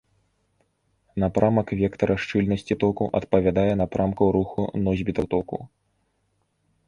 Напрамак вектара шчыльнасці току адпавядае напрамку руху носьбітаў току.